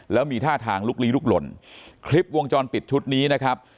แล้วมีท่าทางลุกลี้ลุกหล่นคลิปวงจรปิดชุดนี้นะครับ